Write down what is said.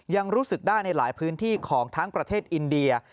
ยังรู้สึกได้ในหลายพื้นที่ของทั้งประเทศอินเดีย